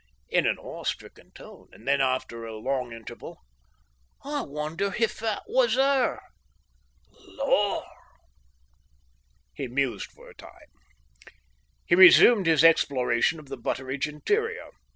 in an awestricken tone, and then, after a long interval, "I wonder if that was her? "Lord!" He mused for a time. He resumed his exploration of the Butteridge interior.